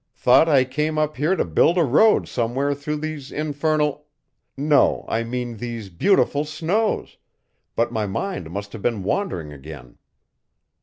Thought I came up here to build a road somewhere through these infernal no, I mean these beautiful snows but my mind must have been wandering again.